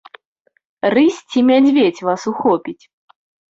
Рысь ці мядзведзь вас ухопіць?